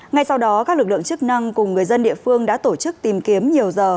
ngay sau đó các lực lượng chức năng cùng người dân địa phương đã tổ chức tìm kiếm nhiều giờ